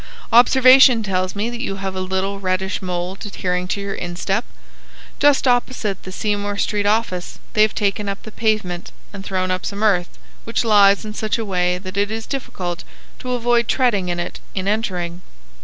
Observation tells me that you have a little reddish mould adhering to your instep. Just opposite the Wigmore Street Office they have taken up the pavement and thrown up some earth which lies in such a way that it is difficult to avoid treading in it in entering.